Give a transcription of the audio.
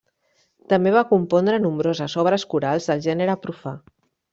També va compondre nombroses obres corals del gènere profà.